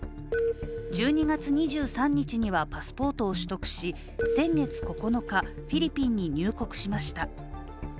１２月２３日にはパスポートを取得し先月９日、フィリピンに入国しました。